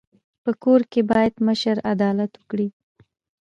په کور کي بايد مشر عدالت وکړي.